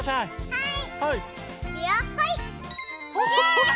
はい！